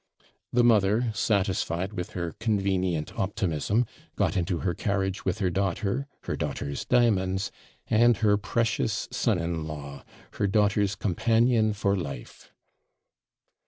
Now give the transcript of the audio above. The mother, satisfied with her convenient optimism, got into her carriage with her daughter, her daughter's diamonds, and her precious son in law, her daughter's companion for life.